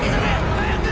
早く！